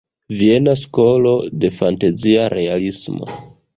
Viena skolo de fantazia realismo.